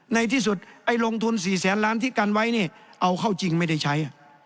ในที่สุดไอ้ลงทุน๔แสนล้านที่กันไว้นี่เอาเข้าจริงไม่ได้ใช้